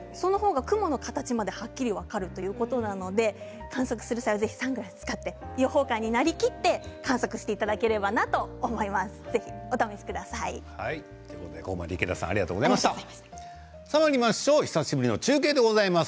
その方が雲の形まではっきり分かるということなので観測する際はぜひサングラスを使って予報官になりきって観測久しぶりの中継です。